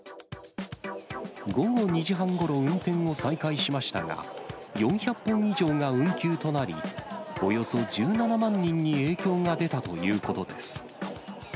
午後２時半ごろ、運転を再開しましたが、４００本以上が運休となり、およそ１７万人に影響が出たということです。